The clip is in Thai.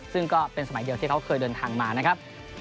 ซึ่งก็เป็นสมัยเดียวที่เขาเคยเดินทางมานะครับ